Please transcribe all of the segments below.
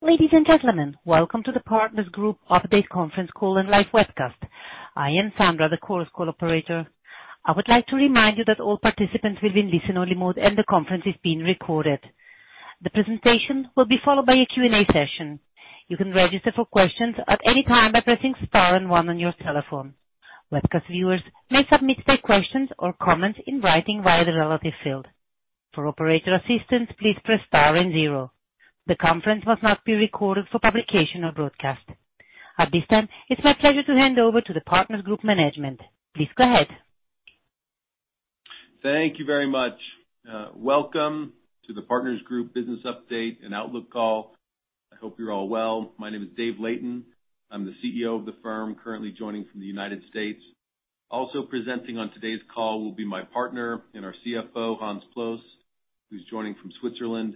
Ladies and gentlemen, welcome to the Partners Group update conference call and live webcast. I am Sandra, the Chorus Call operator. I would like to remind you that all participants will be in listen-only mode, and the conference is being recorded. The presentation will be followed by a Q&A session. You can register for questions at any time by pressing star and one on your telephone. Webcast viewers may submit their questions or comments in writing via the relevant field. For operator assistance, please press star and zero. The conference must not be recorded for publication or broadcast. At this time, it's my pleasure to hand over to the Partners Group management. Please go ahead. Thank you very much. Welcome to the Partners Group business update and outlook call. I hope you're all well. My name is Dave Layton. I am the CEO of the firm, currently joining from the United States. Also presenting on today's call will be my partner and our CFO, Hans Ploos, who's joining from Switzerland,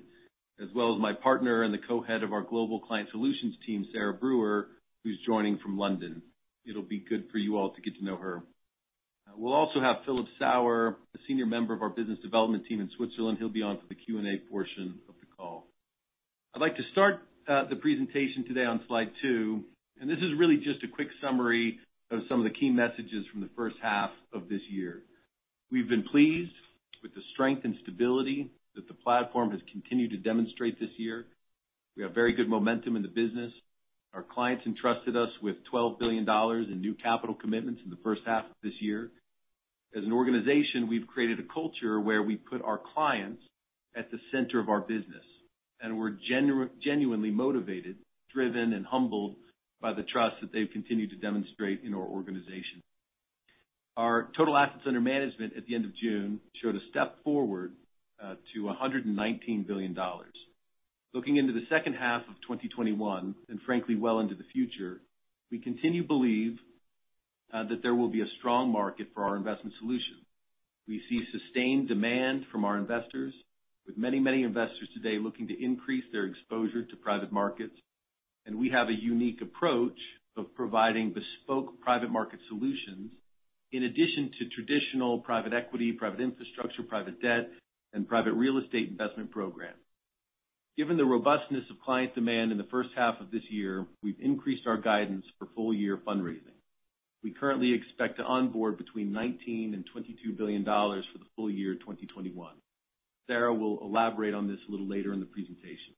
as well as my partner and the Co-Head of our Global Client Solutions team, Sarah Brewer, who's joining from London. It will be good for you all to get to know her. We will also have Philip Sauer, a senior member of our business development team in Switzerland. He will be on for the Q&A portion of the call. I'd like to start the presentation today on slide two, and this is really just a quick summary of some of the key messages from the first half of this year. We've been pleased with the strength and stability that the platform has continued to demonstrate this year. We have very good momentum in the business. Our clients entrusted us with $12 billion in new capital commitments in the first half of this year. As an organization, we've created a culture where we put our clients at the center of our business, and we're genuinely motivated, driven, and humbled by the trust that they've continued to demonstrate in our organization. Our total assets under management at the end of June showed a step forward to $119 billion. Looking into the second half of 2021, and frankly, well into the future, we continue to believe that there will be a strong market for our investment solution. We see sustained demand from our investors, with many investors today looking to increase their exposure to private markets. We have a unique approach of providing bespoke private market solutions in addition to traditional private equity, private infrastructure, private debt, and private real estate investment programs. Given the robustness of client demand in the first half of this year, we've increased our guidance for full-year fundraising. We currently expect to onboard between $19 billion and $22 billion for the full-year 2021. Sarah will elaborate on this a little later in the presentation.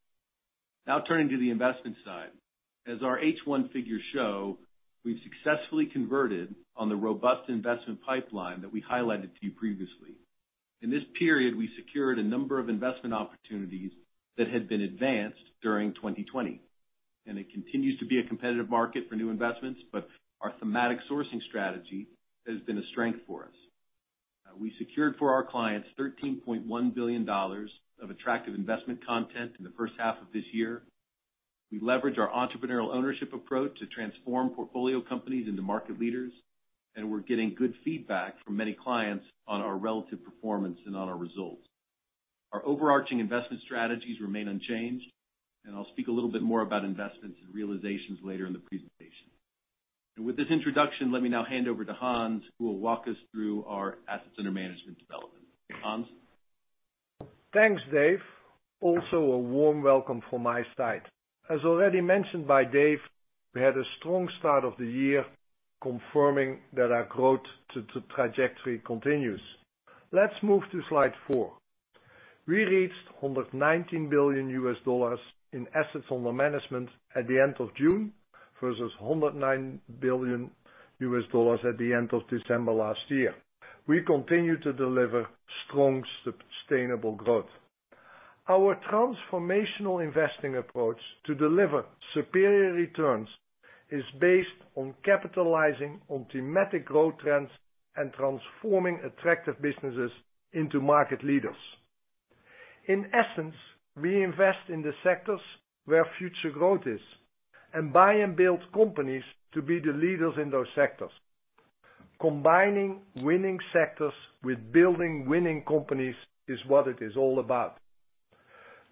Turning to the investment side. As our H1 figures show, we've successfully converted on the robust investment pipeline that we highlighted to you previously. In this period, we secured a number of investment opportunities that had been advanced during 2020. It continues to be a competitive market for new investments, but our thematic sourcing strategy has been a strength for us. We secured for our clients $13.1 billion of attractive investment content in the first half of this year. We leverage our entrepreneurial ownership approach to transform portfolio companies into market leaders, and we're getting good feedback from many clients on our relative performance and on our results. Our overarching investment strategies remain unchanged, and I'll speak a little bit more about investments and realizations later in the presentation. With this introduction, let me now hand over to Hans, who will walk us through our assets under management development. Hans? Thanks, Dave. Also, a warm welcome from my side. As already mentioned by Dave, we had a strong start of the year confirming that our growth trajectory continues. Let's move to slide four. We reached $119 billion in assets under management at the end of June versus $109 billion at the end of December last year. We continue to deliver strong, sustainable growth. Our transformational investing approach to deliver superior returns is based on capitalizing on thematic growth trends and transforming attractive businesses into market leaders. In essence, we invest in the sectors where future growth is and buy and build companies to be the leaders in those sectors. Combining winning sectors with building winning companies is what it is all about.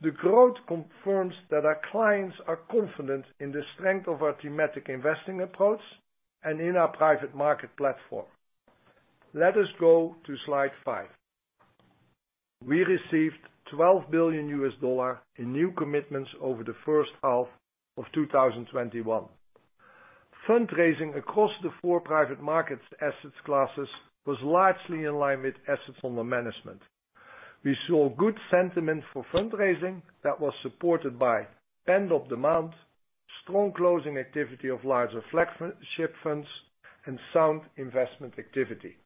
The growth confirms that our clients are confident in the strength of our thematic investing approach and in our private market platform. Let us go to slide five. We received $12 billion in new commitments over the first half of 2021. Fundraising across the four private markets assets classes was largely in line with assets under management. We saw good sentiment for fundraising that was supported by end of demand, strong closing activity of larger flagship funds, and sound investment activity.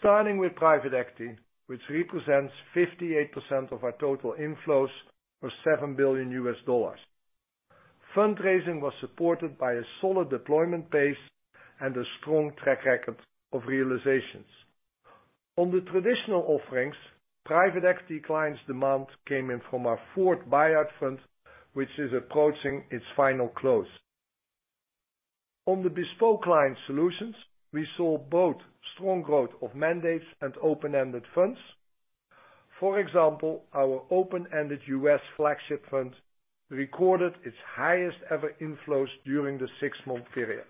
Starting with private equity, which represents 58% of our total inflows or $7 billion. Fundraising was supported by a solid deployment base and a strong track record of realizations. On the traditional offerings, private equity clients demand came in from our fourth buyout fund, which is approaching its final close. On the bespoke client solutions, we saw both strong growth of mandates and open-ended funds. For example, our open-ended U.S. flagship fund recorded its highest ever inflows during the six-month period.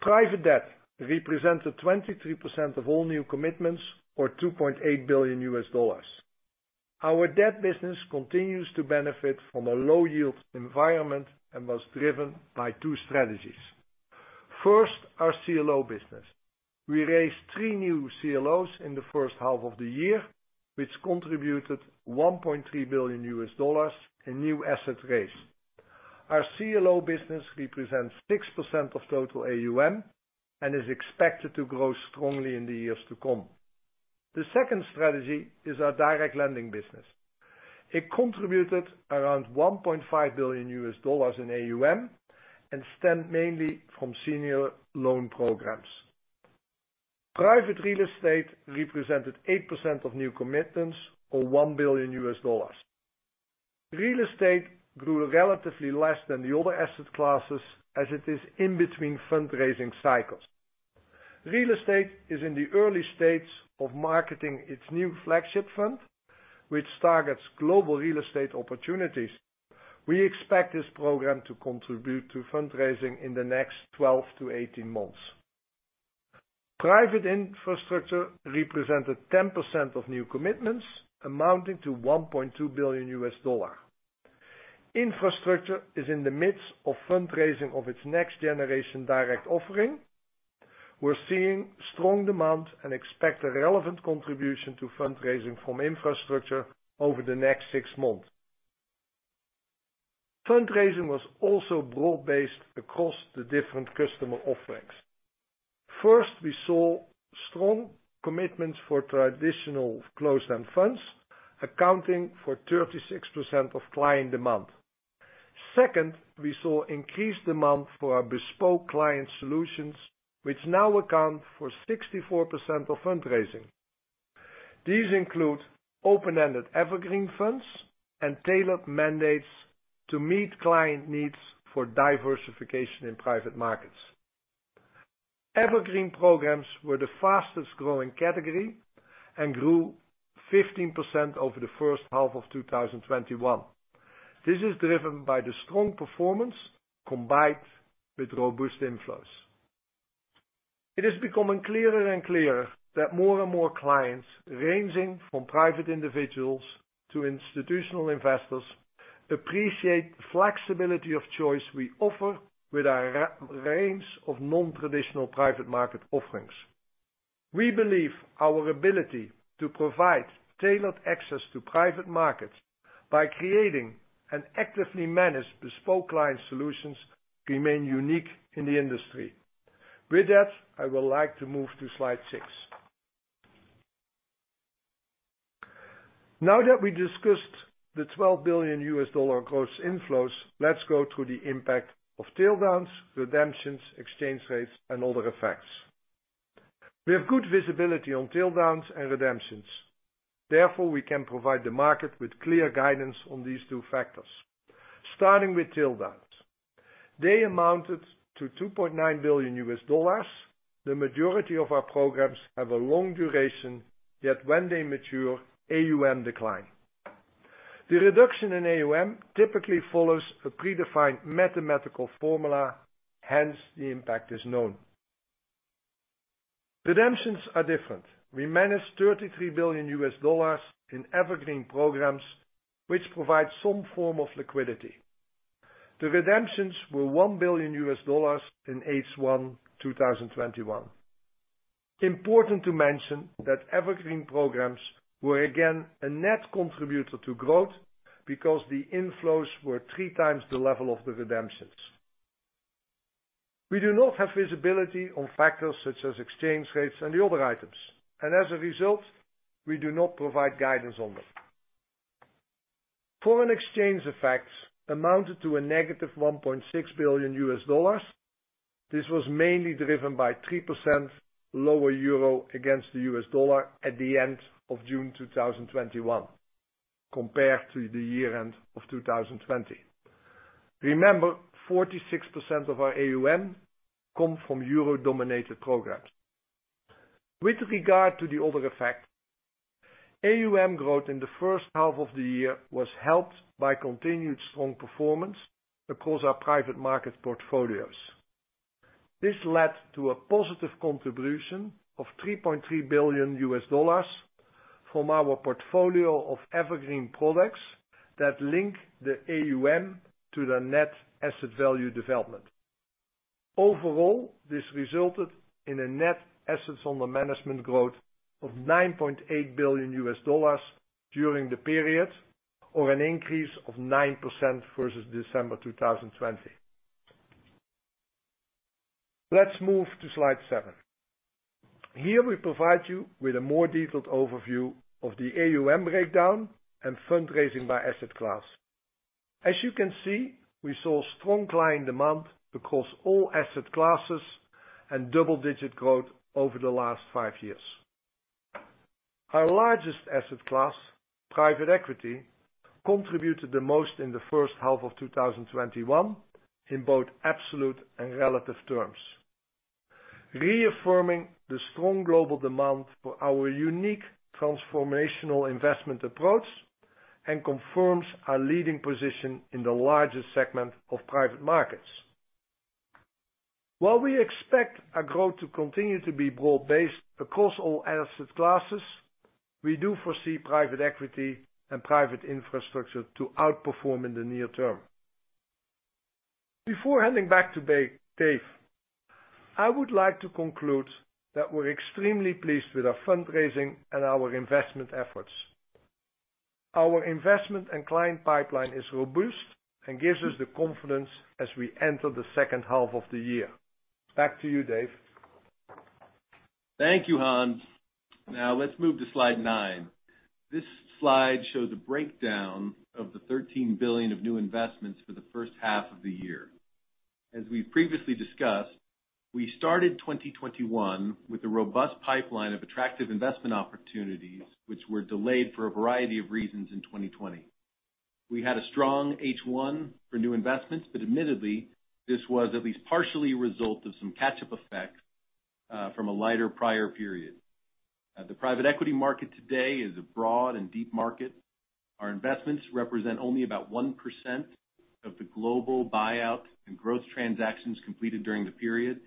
Private debt represented 23% of all new commitments, or $2.8 billion. Our debt business continues to benefit from a low-yield environment and was driven by two strategies. First, our CLO business. We raised three new CLOs in the first half of the year, which contributed $1.3 billion in new assets raised. Our CLO business represents 6% of total AUM and is expected to grow strongly in the years to come. The second strategy is our direct lending business. It contributed around $1.5 billion in AUM and stemmed mainly from senior loan programs. Private real estate represented 8% of new commitments, or $1 billion. Real estate grew relatively less than the other asset classes as it is in between fundraising cycles. Real estate is in the early stages of marketing its new flagship fund, which targets global real estate opportunities. We expect this program to contribute to fundraising in the next 12 to 18 months. Private infrastructure represented 10% of new commitments, amounting to $1.2 billion. Infrastructure is in the midst of fundraising of its next-generation direct offering. We're seeing strong demand and expect a relevant contribution to fundraising from infrastructure over the next six months. Fundraising was also broad-based across the different customer offerings. First, we saw strong commitments for traditional closed-end funds, accounting for 36% of client demand. Second, we saw increased demand for our bespoke client solutions, which now account for 64% of fundraising. These include open-ended evergreen funds and tailored mandates to meet client needs for diversification in private markets. Evergreen programs were the fastest-growing category and grew 15% over the first half of 2021. This is driven by the strong performance combined with robust inflows. It is becoming clearer and clearer that more and more clients, ranging from private individuals to institutional investors, appreciate the flexibility of choice we offer with our range of non-traditional private market offerings. We believe our ability to provide tailored access to private markets by creating and actively manage bespoke client solutions remain unique in the industry. With that, I would like to move to slide six. Now that we discussed the $12 billion gross inflows, let's go through the impact of tail downs, redemptions, exchange rates, and other effects. We have good visibility on tail downs and redemptions. Therefore, we can provide the market with clear guidance on these two factors. Starting with tail downs. They amounted to $2.9 billion. The majority of our programs have a long duration, yet when they mature, AUM decline. The reduction in AUM typically follows a predefined mathematical formula, hence the impact is known. Redemptions are different. We manage $33 billion in evergreen programs, which provide some form of liquidity. The redemptions were $1 billion in H1 2021. Important to mention that evergreen programs were again a net contributor to growth because the inflows were 3x the level of the redemptions. We do not have visibility on factors such as exchange rates and the other items, and as a result, we do not provide guidance on them. Foreign exchange effects amounted to a negative $1.6 billion. This was mainly driven by 3% lower euro against the US dollar at the end of June 2021 compared to the year-end of 2020. Remember, 46% of our AUM come from euro-denoominated programs. With regard to the other effects, AUM growth in the first half of the year was helped by continued strong performance across our private market portfolios. This led to a positive contribution of $3.3 billion from our portfolio of evergreen products that link the AUM to the net asset value development. Overall, this resulted in a net assets under management growth of $9.8 billion during the period, or an increase of 9% versus December 2020. Let's move to slide seven. Here, we provide you with a more detailed overview of the AUM breakdown and fundraising by asset class. As you can see, we saw strong client demand across all asset classes and double-digit growth over the last five years. Our largest asset class, private equity, contributed the most in the first half of 2021 in both absolute and relative terms. Reaffirming the strong global demand for our unique transformational investment approach. Confirms our leading position in the largest segment of private markets. While we expect our growth to continue to be broad-based across all asset classes, we do foresee private equity and private infrastructure to outperform in the near term. Before handing back to Dave, I would like to conclude that we're extremely pleased with our fundraising and our investment efforts. Our investment and client pipeline is robust and gives us the confidence as we enter the second half of the year. Back to you, Dave. Thank you, Hans. Let's move to slide nine. This slide shows a breakdown of the $13 billion of new investments for the first half of the year. As we've previously discussed, we started 2021 with a robust pipeline of attractive investment opportunities, which were delayed for a variety of reasons in 2020. We had a strong H1 for new investments, admittedly, this was at least partially a result of some catch-up effect from a lighter prior period. The private equity market today is a broad and deep market. Our investments represent only about 1% of the global buyout and growth transactions completed during the period.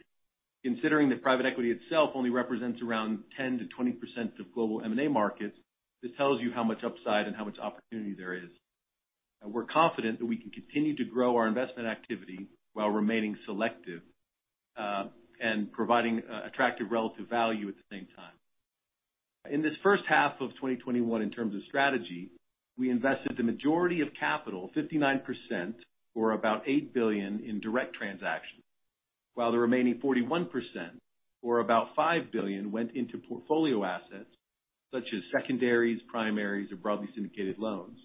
Considering that private equity itself only represents around 10%-20% of global M&A markets, this tells you how much upside and how much opportunity there is. We're confident that we can continue to grow our investment activity while remaining selective, and providing attractive relative value at the same time. In this first half of 2021, in terms of strategy, we invested the majority of capital, 59% or about $8 billion in direct transactions, while the remaining 41%, or about $5 billion, went into portfolio assets such as secondaries, primaries, or broadly syndicated loans.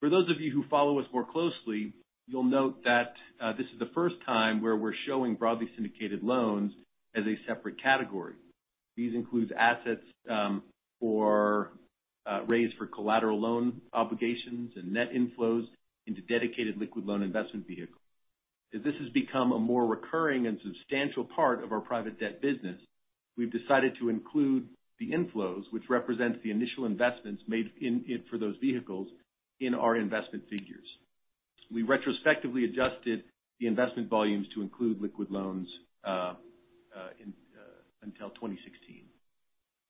For those of you who follow us more closely, you'll note that this is the first time where we're showing broadly syndicated loans as a separate category. These include assets raised for collateralized loan obligations and net inflows into dedicated liquid loan investment vehicles. As this has become a more recurring and substantial part of our private debt business, we've decided to include the inflows, which represents the initial investments made for those vehicles in our investment figures. We retrospectively adjusted the investment volumes to include liquid loans until 2016.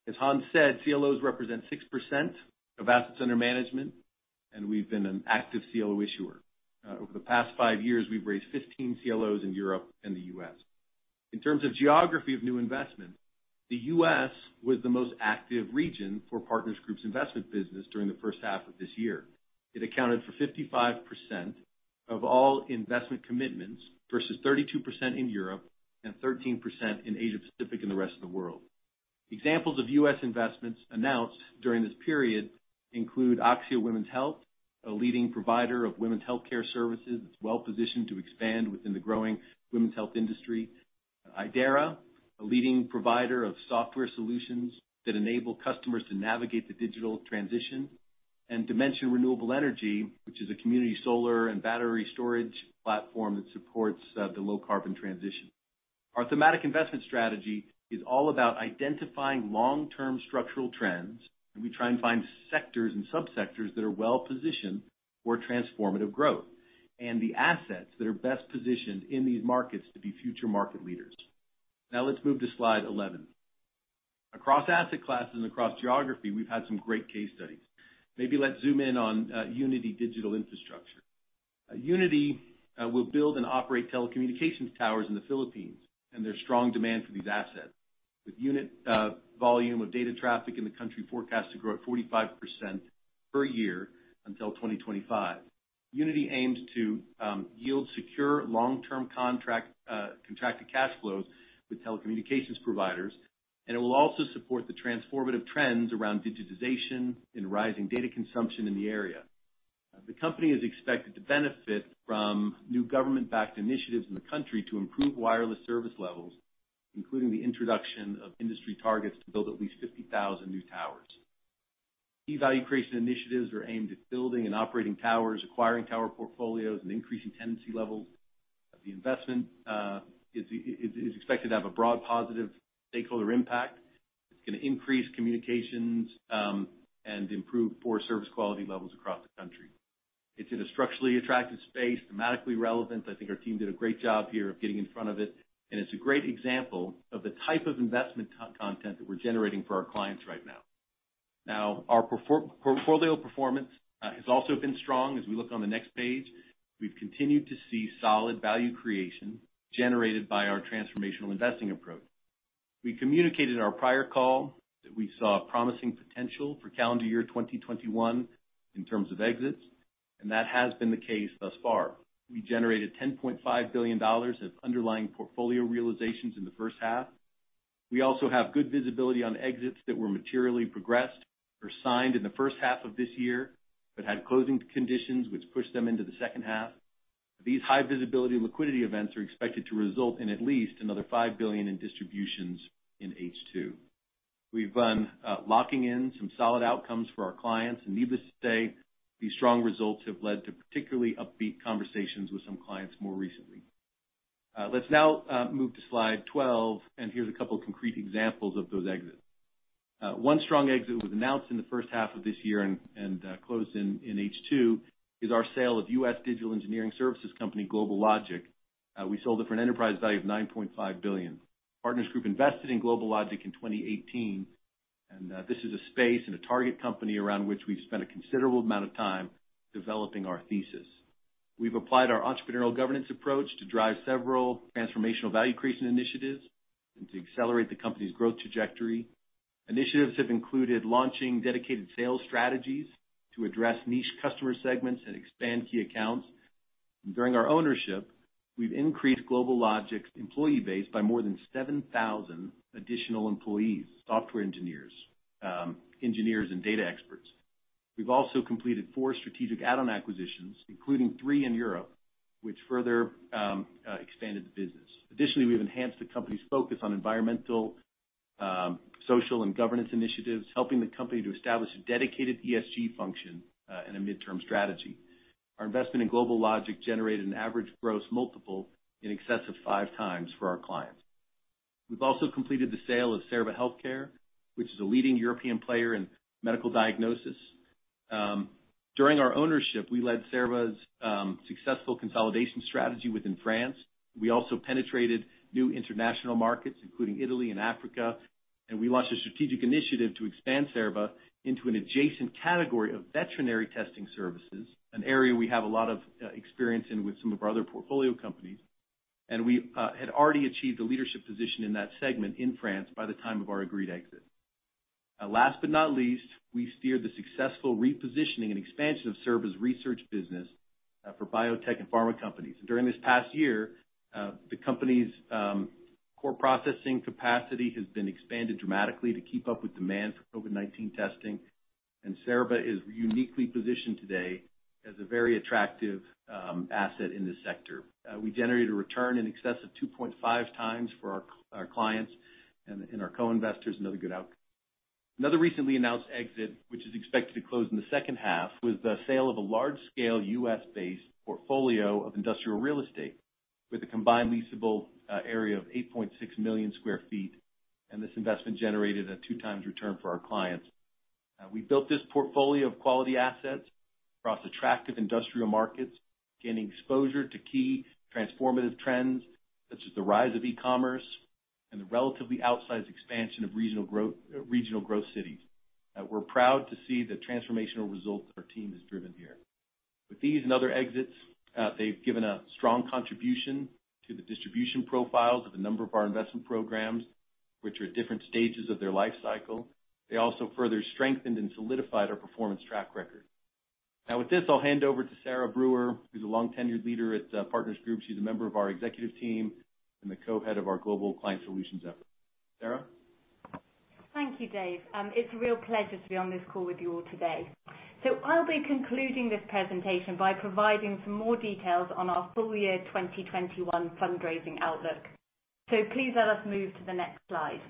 As Hans said, CLOs represent 6% of assets under management, and we've been an active CLO issuer. Over the past five years, we've raised 15 CLOs in Europe and the U.S. In terms of geography of new investment, the U.S. was the most active region for Partners Group's investment business during the first half of this year. It accounted for 55% of all investment commitments, versus 32% in Europe and 13% in Asia Pacific and the rest of the world. Examples of U.S. investments announced during this period include Axia Women's Health, a leading provider of women's healthcare services. It's well-positioned to expand within the growing women's health industry. Idera, a leading provider of software solutions that enable customers to navigate the digital transition. Dimension Renewable Energy, which is a community solar and battery storage platform that supports the low-carbon transition. Our thematic investment strategy is all about identifying long-term structural trends, and we try and find sectors and sub-sectors that are well-positioned for transformative growth, and the assets that are best positioned in these markets to be future market leaders. Let's move to slide 11. Across asset classes and across geography, we've had some great case studies. Let's zoom in on Unity Digital Infrastructure. Unity will build and operate telecommunications towers in the Philippines, and there's strong demand for these assets, with unit volume of data traffic in the country forecast to grow at 45% per year until 2025. Unity aims to yield secure long-term contracted cash flows with telecommunications providers, and it will also support the transformative trends around digitization and rising data consumption in the area. The company is expected to benefit from new government-backed initiatives in the country to improve wireless service levels, including the introduction of industry targets to build at least 50,000 new towers. These value creation initiatives are aimed at building and operating towers, acquiring tower portfolios, and increasing tenancy levels. The investment is expected to have a broad positive stakeholder impact. It's going to increase communications, and improve poor service quality levels across the country. It's in a structurally attractive space, thematically relevant. I think our team did a great job here of getting in front of it, and it's a great example of the type of investment content that we're generating for our clients right now. Now, our portfolio performance has also been strong. As we look on the next page, we've continued to see solid value creation generated by our transformational investing approach. We communicated in our prior call that we saw promising potential for calendar year 2021 in terms of exits. That has been the case thus far. We generated $10.5 billion of underlying portfolio realizations in the first half. We also have good visibility on exits that were materially progressed or signed in the first half of this year but had closing conditions which pushed them into the second half. These high visibility liquidity events are expected to result in at least another $5 billion in distributions in H2. We've been locking in some solid outcomes for our clients. Needless to say, these strong results have led to particularly upbeat conversations with some clients more recently. Let's now move to slide 12. Here's a couple of concrete examples of those exits. One strong exit was announced in the first half of this year and closed in H2, is our sale of U.S. digital engineering services company, GlobalLogic. We sold it for an enterprise value of $9.5 billion. Partners Group invested in GlobalLogic in 2018. This is a space and a target company around which we've spent a considerable amount of time developing our thesis. We've applied our entrepreneurial governance approach to drive several transformational value creation initiatives and to accelerate the company's growth trajectory. Initiatives have included launching dedicated sales strategies to address niche customer segments and expand key accounts. During our ownership, we've increased GlobalLogic's employee base by more than 7,000 additional employees, software engineers, and data experts. We've also completed four strategic add-on acquisitions, including three in Europe, which further expanded the business. Additionally, we've enhanced the company's focus on environmental, social, and governance initiatives, helping the company to establish a dedicated ESG function and a midterm strategy. Our investment in GlobalLogic generated an average gross multiple in excess of 5x for our clients. We've also completed the sale of Cerba HealthCare, which is a leading European player in medical diagnosis. During our ownership, we led Cerba's successful consolidation strategy within France. We also penetrated new international markets, including Italy and Africa, and we launched a strategic initiative to expand Cerba into an adjacent category of veterinary testing services, an area we have a lot of experience in with some of our other portfolio companies. We had already achieved a leadership position in that segment in France by the time of our agreed exit. Last but not least, we steered the successful repositioning and expansion of Cerba's research business for biotech and pharma companies. During this past year, the company's core processing capacity has been expanded dramatically to keep up with demand for COVID-19 testing, Cerba is uniquely positioned today as a very attractive asset in this sector. We generated a return in excess of 2.5x for our clients and our co-investors. Another good outcome. Another recently announced exit, which is expected to close in the second half, was the sale of a large-scale U.S.-based portfolio of industrial real estate with a combined leasable area of 8.6 million sq ft, This investment generated a 2x return for our clients. We built this portfolio of quality assets across attractive industrial markets, gaining exposure to key transformative trends such as the rise of e-commerce and the relatively outsized expansion of regional growth cities. We're proud to see the transformational results our team has driven here. With these and other exits, they've given a strong contribution to the distribution profiles of a number of our investment programs, which are at different stages of their life cycle. They also further strengthened and solidified our performance track record. Now with this, I'll hand over to Sarah Brewer, who's a long tenured leader at Partners Group. She's a member of our executive team and the Co-Head of our Global Client Solutions effort. Sarah? Thank you, Dave. It's a real pleasure to be on this call with you all today. I'll be concluding this presentation by providing some more details on our full-year 2021 fundraising outlook. Please let us move to the next slide.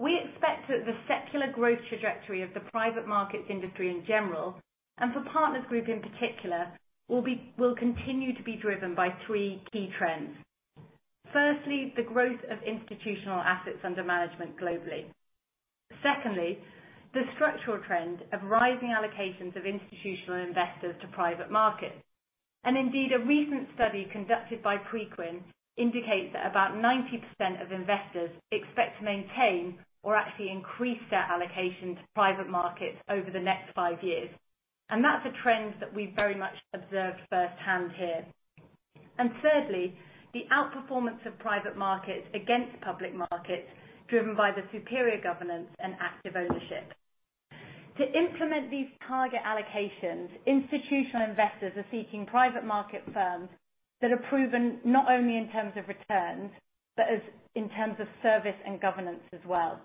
We expect that the secular growth trajectory of the private markets industry in general, and for Partners Group in particular, will continue to be driven by three key trends. Firstly, the growth of institutional assets under management globally. Secondly, the structural trend of rising allocations of institutional investors to private markets. Indeed, a recent study conducted by Preqin indicates that about 90% of investors expect to maintain or actually increase their allocation to private markets over the next five years. That's a trend that we've very much observed firsthand here. Thirdly, the outperformance of private markets against public markets driven by the superior governance and active ownership. To implement these target allocations, institutional investors are seeking private market firms that are proven not only in terms of returns, but in terms of service and governance as well.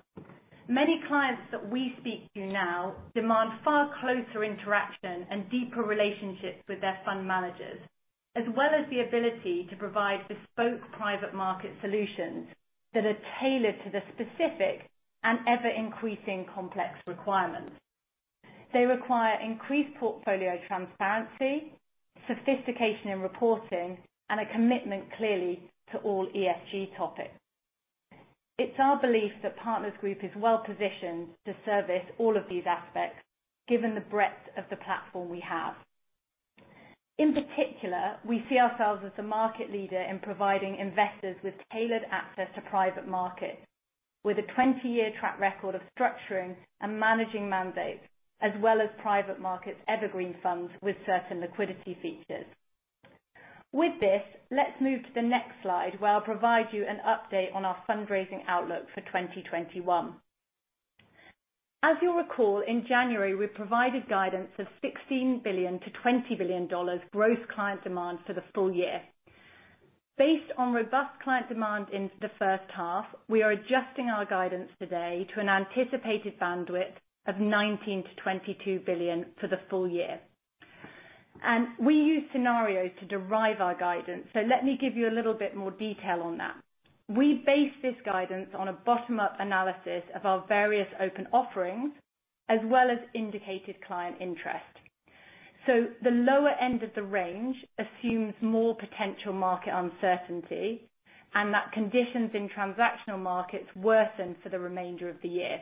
Many clients that we speak to now demand far closer interaction and deeper relationships with their fund managers, as well as the ability to provide bespoke private market solutions that are tailored to the specific and ever-increasing complex requirements. They require increased portfolio transparency, sophistication in reporting, and a commitment, clearly, to all ESG topics. It's our belief that Partners Group is well-positioned to service all of these aspects given the breadth of the platform we have. In particular, we see ourselves as the market leader in providing investors with tailored access to private markets with a 20-year track record of structuring and managing mandates, as well as private markets evergreen funds with certain liquidity features. With this, let's move to the next slide, where I'll provide you an update on our fundraising outlook for 2021. As you'll recall, in January, we provided guidance of $16 billion-$20 billion gross client demand for the full-year. Based on robust client demand in the first half, we are adjusting our guidance today to an anticipated bandwidth of $19 billion-$22 billion for the full-year. We use scenarios to derive our guidance, so let me give you a little bit more detail on that. We base this guidance on a bottom-up analysis of our various open offerings, as well as indicated client interest. The lower end of the range assumes more potential market uncertainty and that conditions in transactional markets worsen for the remainder of the year.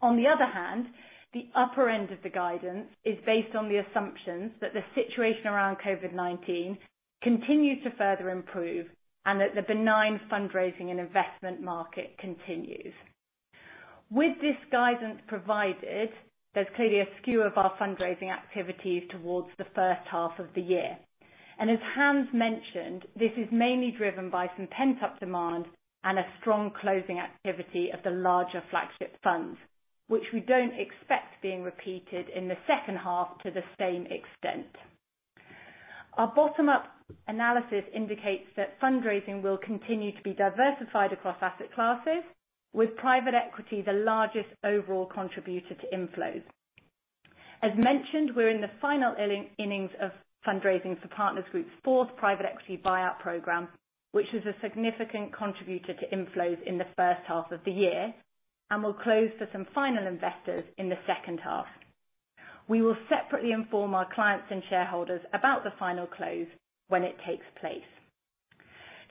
On the other hand, the upper end of the guidance is based on the assumptions that the situation around COVID-19 continues to further improve and that the benign fundraising and investment market continues. With this guidance provided, there's clearly a skew of our fundraising activities towards the first half of the year. As Hans mentioned, this is mainly driven by some pent-up demand and a strong closing activity of the larger flagship funds, which we don't expect being repeated in the second half to the same extent. Our bottom-up analysis indicates that fundraising will continue to be diversified across asset classes, with private equity the largest overall contributor to inflows. As mentioned, we're in the final innings of fundraising for Partners Group's fourth private equity buyout program, which is a significant contributor to inflows in the first half of the year and will close for some final investors in the second half. We will separately inform our clients and shareholders about the final close when it takes place.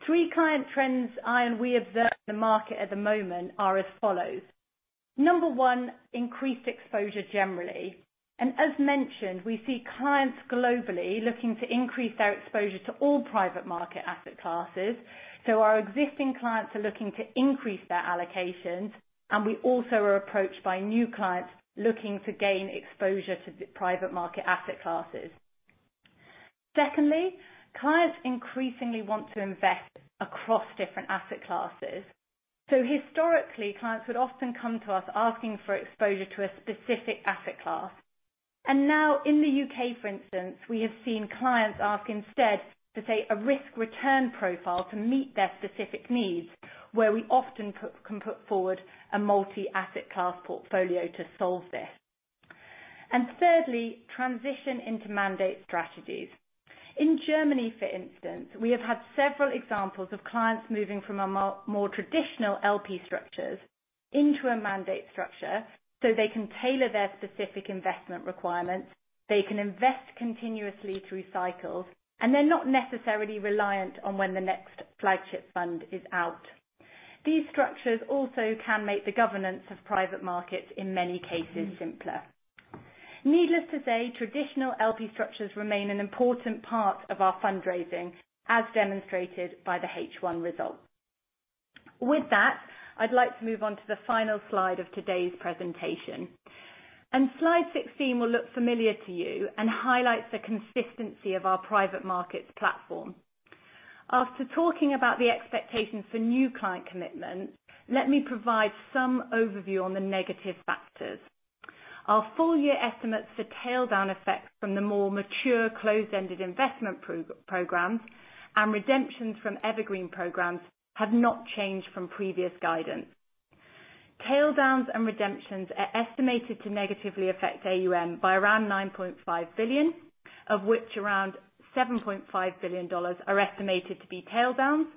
Three client trends I and we observe in the market at the moment are as follows. Number one, increased exposure generally. As mentioned, we see clients globally looking to increase their exposure to all private market asset classes. Our existing clients are looking to increase their allocations, and we also are approached by new clients looking to gain exposure to private market asset classes. Secondly, clients increasingly want to invest across different asset classes. Historically, clients would often come to us asking for exposure to a specific asset class. Now in the U.K., for instance, we have seen clients ask instead to say a risk-return profile to meet their specific needs, where we often can put forward a multi-asset class portfolio to solve this. Thirdly, transition into mandate strategies. In Germany, for instance, we have had several examples of clients moving from a more traditional LP structures into a mandate structure so they can tailor their specific investment requirements, they can invest continuously through cycles, and they're not necessarily reliant on when the next flagship fund is out. These structures also can make the governance of private markets, in many cases, simpler. Needless to say, traditional LP structures remain an important part of our fundraising, as demonstrated by the H1 results. With that, I'd like to move on to the final slide of today's presentation. Slide 16 will look familiar to you and highlights the consistency of our private markets platform. After talking about the expectations for new client commitments, let me provide some overview on the negative factors. Our full-year estimates for tail-down effects from the more mature closed-ended investment programs and redemptions from evergreen programs have not changed from previous guidance. Tail-downs and redemptions are estimated to negatively affect AUM by around $9.5 billion, of which around $7.5 billion are estimated to be tail-downs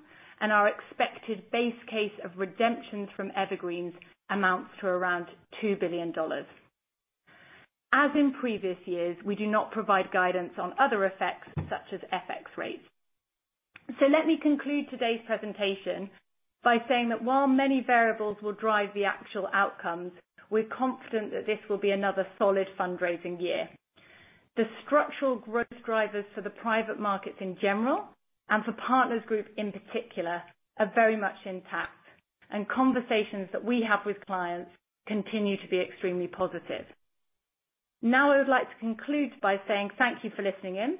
and our expected base case of redemptions from evergreens amounts to around $2 billion. As in previous years, we do not provide guidance on other effects such as FX rates. Let me conclude today's presentation by saying that while many variables will drive the actual outcomes, we're confident that this will be another solid fundraising year. The structural growth drivers for the private markets in general, and for Partners Group in particular, are very much intact, and conversations that we have with clients continue to be extremely positive. I would like to conclude by saying thank you for listening in.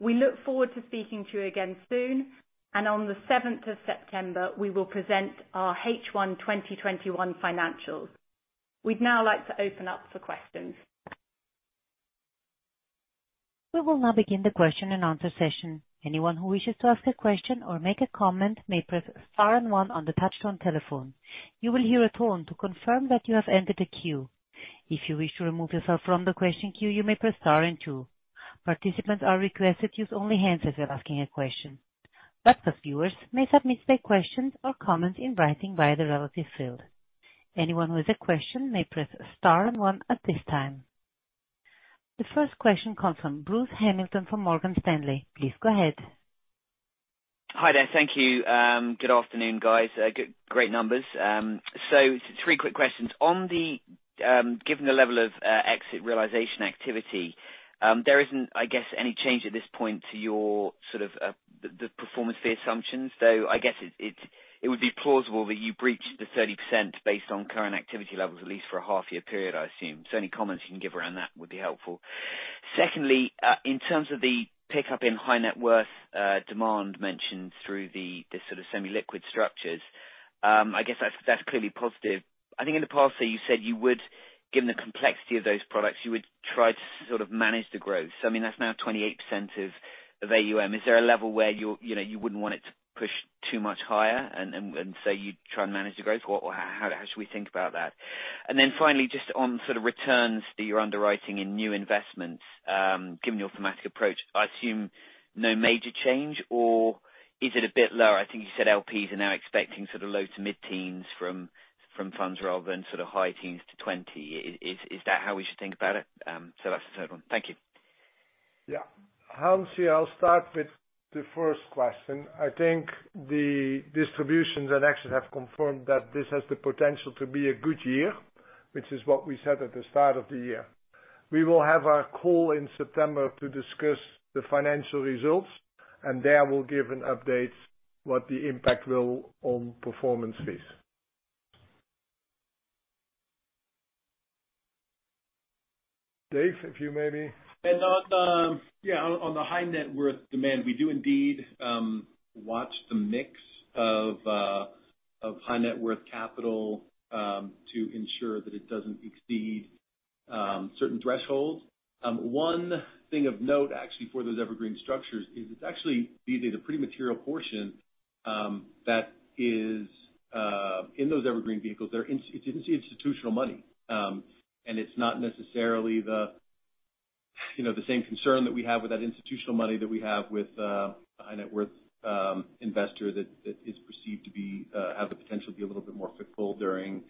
We look forward to speaking to you again soon, and on the 7th of September, we will present our H1 2021 financials. We'd now like to open up for questions. We will now begin the question and answer session. Anyone who wishes to ask a question or make a comment may press star and one on the touchtone telephone. You will hear a tone to confirm that you have entered a queue. If you wish to remove yourself from the question queue, you may press star and two. Participants are requested use only hands if you're asking a question. For viewers, may submit their questions or comments in writing via the relevant field. Anyone with a question may press star and one at this time. The first question comes from Bruce Hamilton, from Morgan Stanley. Please go ahead. Hi there. Thank you. Good afternoon, guys. Great numbers. Three quick questions. Given the level of exit realization activity, there isn't, I guess, any change at this point to your sort of the performance fee assumptions, though, I guess it would be plausible that you breach the 30% based on current activity levels at least for a half year period, I assume. Any comments you can give around that would be helpful. Secondly, in terms of the pickup in high net worth demand mentioned through the sort of semi-liquid structures, I guess that's clearly positive. I think in the past there, you said, given the complexity of those products, you would try to sort of manage the growth. I mean, that's now 28% of AUM. Is there a level where you wouldn't want it to push too much higher and so you try and manage the growth, or how should we think about that? Finally, just on sort of returns that you're underwriting in new investments, given your thematic approach, I assume no major change, or is it a bit lower? I think you said LPs are now expecting sort of low to mid-teens from funds rather than sort of high teens to 20. Is that how we should think about it? That's the third one. Thank you. Yeah. Hans here, I'll start with the first question. I think the distributions and actions have confirmed that this has the potential to be a good year, which is what we said at the start of the year. We will have our call in September to discuss the financial results, and there we'll give an update what the impact will on performance fees. Dave. On the high net worth demand, we do indeed watch the mix of high net worth capital to ensure that it doesn't exceed certain thresholds. One thing of note actually for those evergreen structures is it's actually these are the pretty material portion that is in those evergreen vehicles. It's institutional money. It's not necessarily the same concern that we have with that institutional money that we have with a high net worth investor that is perceived to have the potential to be a little bit more fickle during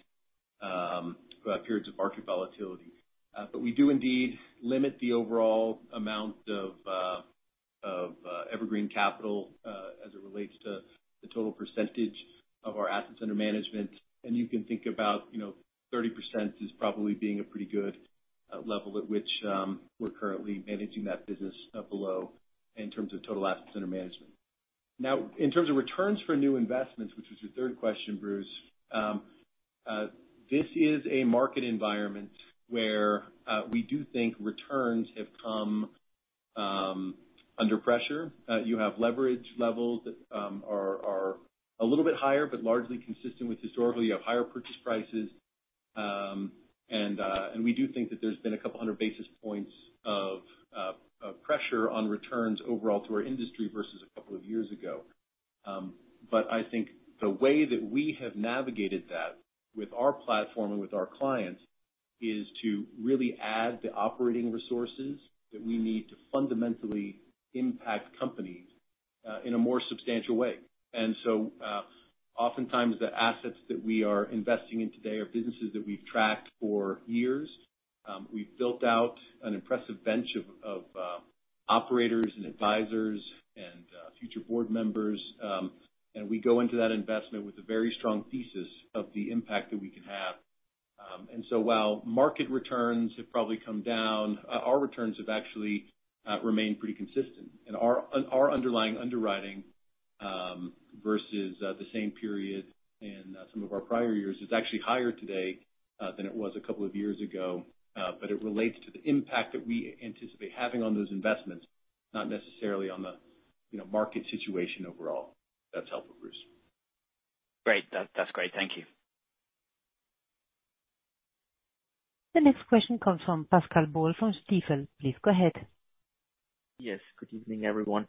periods of market volatility. We do indeed limit the overall amount of evergreen capital as it relates to the total percentage of our assets under management. You can think about 30% as probably being a pretty good level at which we're currently managing that business below in terms of total assets under management. In terms of returns for new investments, which was your third question, Bruce, this is a market environment where we do think returns have come under pressure. You have leverage levels that are a little bit higher, but largely consistent with historically. You have higher purchase prices. We do think that there's been a couple hundred basis points of pressure on returns overall to our industry versus a couple of years ago. I think the way that we have navigated that with our platform and with our clients is to really add the operating resources that we need to fundamentally impact companies in a more substantial way. Oftentimes the assets that we are investing in today are businesses that we've tracked for years. We've built out an impressive bench of operators and advisors and future board members. We go into that investment with a very strong thesis of the impact that we can have. While market returns have probably come down, our returns have actually remained pretty consistent. Our underlying underwriting versus the same period in some of our prior years is actually higher today than it was a couple of years ago. It relates to the impact that we anticipate having on those investments, not necessarily on the market situation overall. That's helpful, Bruce. Great. That's great. Thank you. The next question comes from Pascal Boll from Stifel. Please go ahead. Yes. Good evening, everyone.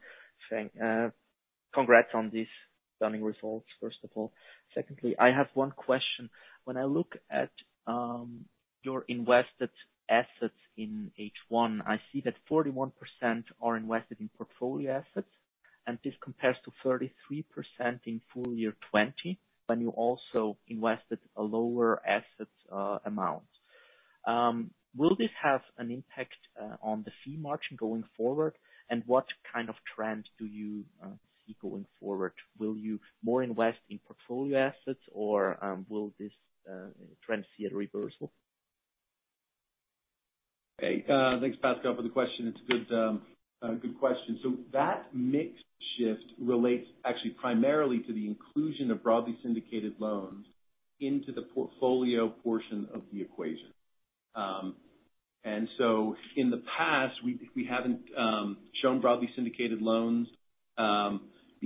Congrats on these stunning results, first of all. Secondly, I have one question. When I look at your invested assets in H1, I see that 41% are invested in portfolio assets, and this compares to 33% in full-year 2020, when you also invested a lower asset amount. Will this have an impact on the fee margin going forward? What kind of trend do you see going forward? Will you more invest in portfolio assets or will this trend see a reversal? Thanks, Pascal, for the question. It's a good question. That mix shift relates actually primarily to the inclusion of broadly syndicated loans into the portfolio portion of the equation. In the past, we haven't shown broadly syndicated loans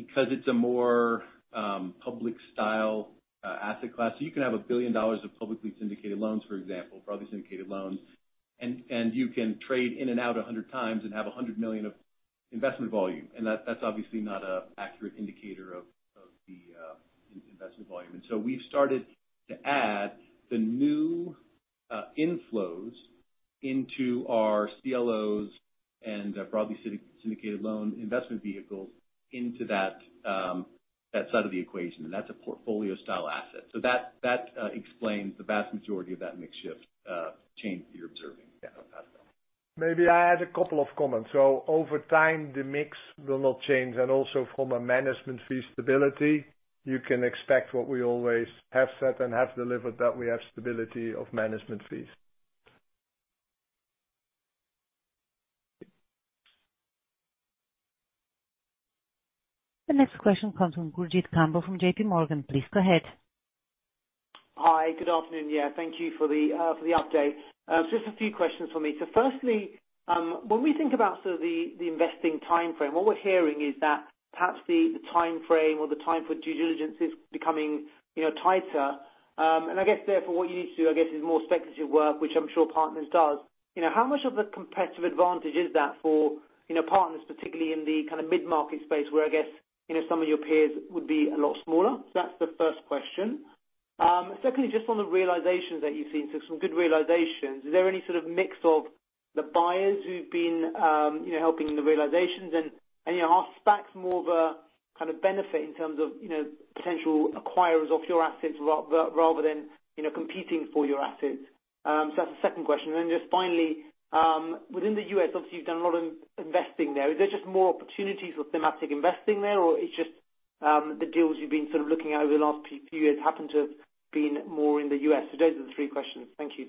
because it's a more public style asset class. You can have $1 billion of broadly syndicated loans, for example, broadly syndicated loans, and you can trade in and out 100x and have $100 million of investment volume. That's obviously not an accurate indicator of the investment volume. We've started to add the new inflows into our CLOs and broadly syndicated loan investment vehicles into that side of the equation. That's a portfolio style asset. That explains the vast majority of that mix shift change that you're observing. Maybe I add a couple of comments. Over time, the mix will not change. Also from a management fee stability, you can expect what we always have said and have delivered, that we have stability of management fees. The next question comes from Gurjit Kambo from JPMorgan. Please go ahead. Hi. Good afternoon. Yeah, thank you for the update. Just a few questions for me. Firstly, when we think about sort of the investing timeframe, what we're hearing is that perhaps the timeframe or the time for due diligence is becoming tighter. I guess therefore what you need to do, I guess, is more speculative work, which I'm sure Partners does. How much of a competitive advantage is that for Partners, particularly in the mid-market space where, I guess, some of your peers would be a lot smaller? That's the first question. Secondly, just on the realizations that you've seen. Some good realizations. Is there any sort of mix of the buyers who've been helping the realizations? Are SPACs more of a kind of benefit in terms of potential acquirers of your assets rather than competing for your assets. That's the second question. Just finally, within the U.S., obviously, you've done a lot of investing there. Is there just more opportunities for thematic investing there, or it's just the deals you've been sort of looking at over the last few years happen to have been more in the U.S.? Those are the three questions. Thank you.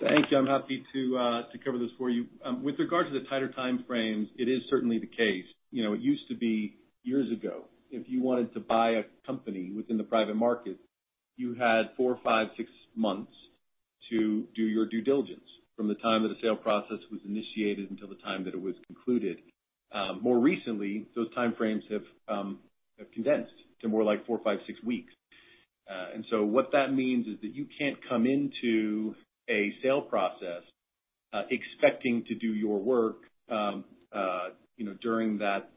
Thank you. I'm happy to cover those for you. With regard to the tighter time frames, it is certainly the case. It used to be years ago, if you wanted to buy a company within the private market, you had four, five, six months to do your due diligence from the time that the sale process was initiated until the time that it was concluded. More recently, those time frames have condensed to more like four, five, six weeks. What that means is that you can't come into a sale process expecting to do your work during that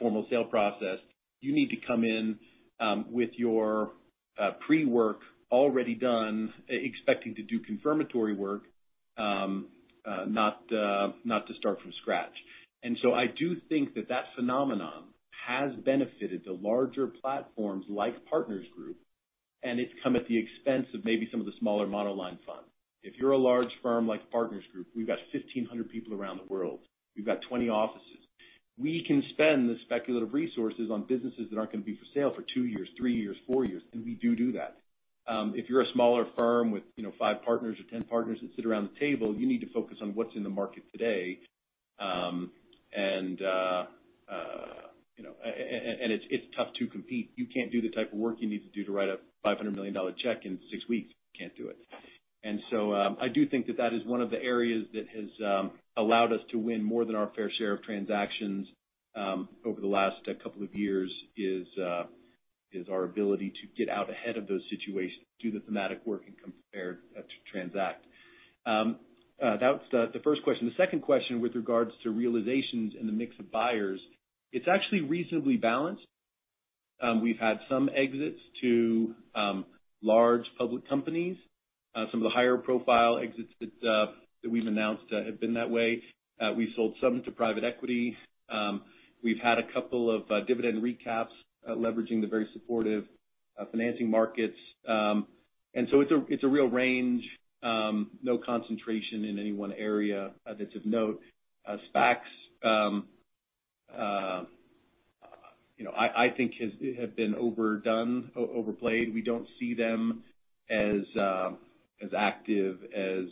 formal sale process. You need to come in with your pre-work already done, expecting to do confirmatory work, not to start from scratch. I do think that that phenomenon has benefited the larger platforms like Partners Group, and it's come at the expense of maybe some of the smaller monoline funds. If you're a large firm like Partners Group, we've got 1,500 people around the world. We've got 20 offices. We can spend the speculative resources on businesses that aren't going to be for sale for two years, three years, four years, and we do that. If you're a smaller firm with five partners or 10 partners that sit around the table, you need to focus on what's in the market today. It's tough to compete. You can't do the type of work you need to do to write a $500 million check in six weeks. You can't do it. I do think that that is one of the areas that has allowed us to win more than our fair share of transactions over the last couple of years, is our ability to get out ahead of those situations, do the thematic work and compare to transact. That was the first question. The second question with regards to realizations in the mix of buyers, it's actually reasonably balanced. We've had some exits to large public companies. Some of the higher profile exits that we've announced have been that way. We've sold some to private equity. We've had a couple of dividend recaps leveraging the very supportive financing markets. It's a real range. No concentration in any one area that's of note. SPACs, I think have been overdone, overplayed. We don't see them as active as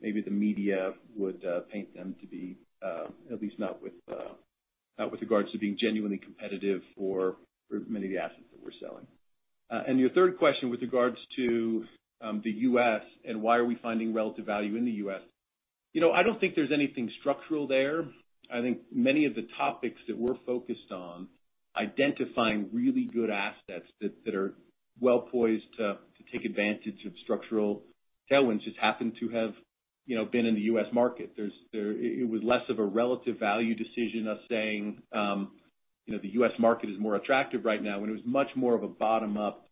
maybe the media would paint them to be, at least not with regards to being genuinely competitive for many of the assets that we're selling. Your third question with regards to the U.S. and why are we finding relative value in the U.S.? I don't think there's anything structural there. I think many of the topics that we're focused on identifying really good assets that are well-poised to take advantage of structural tailwinds just happen to have been in the U.S. market. It was less of a relative value decision, us saying the U.S. market is more attractive right now, it was much more of a bottom-up